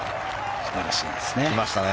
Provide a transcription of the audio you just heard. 素晴らしいですね。